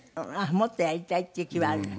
もっとやりたいっていう気はあるんだ？